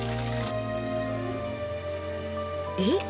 えっ？